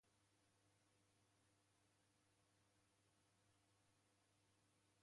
Falamos con avogados e consideramos que si.